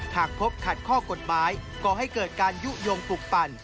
หากพบขัดข้อกฎหมายก่อให้เกิดการยุโยงปลุกปั่น